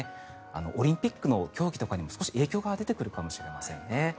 オリンピックの競技にも影響が出てくるかもしれませんね。